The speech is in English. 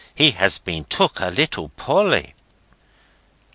He has been took a little poorly."